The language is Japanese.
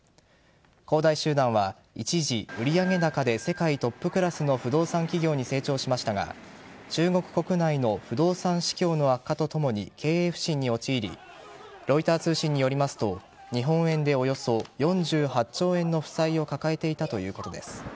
恒大集団は一時、売上高で世界トップクラスの不動産企業に成長しましたが中国国内の不動産市況の悪化とともに経営不振に陥りロイター通信によりますと日本円でおよそ４８兆円の負債を抱えていたということです。